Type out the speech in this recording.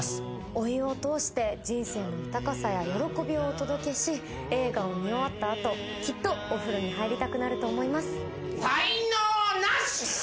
お湯を通して人生の豊かさや喜びをお届けし映画を見終わった後きっとお風呂に入りたくなると思います。